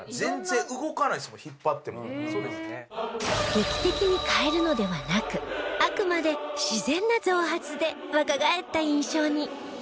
劇的に変えるのではなくあくまで自然な増髪で若返った印象に